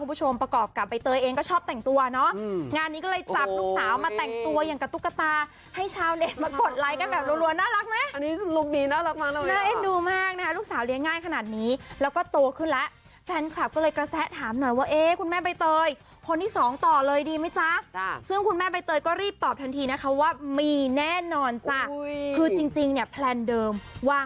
ผู้ชมประกอบกับใบเตยเองก็ชอบแต่งตัวเนอะอืมงานนี้ก็เลยจับลูกสาวมาแต่งตัวอย่างกับตุ๊กตา